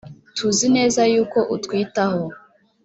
tuzi neza yuko utwitaho .